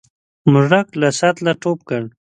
موږک له سطله ټوپ کړ.